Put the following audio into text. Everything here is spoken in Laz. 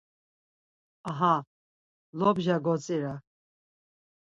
Aha, lobca gotzira.